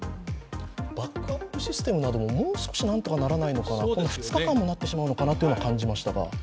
バックアップシステムなどももう少しなんとかならないのかな２日間になってしまうのかなと感じましたが。